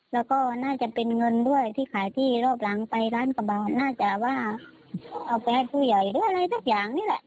แล้วก็น่าจะเป็นเงินด้วยที่ขายที่รอบหลังไปล้านกว่าบาทน่าจะว่าเอาไปให้ผู้ใหญ่หรืออะไรสักอย่างนี่แหละ